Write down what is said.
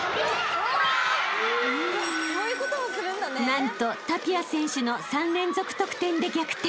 ［なんとタピア選手の３連続得点で逆転］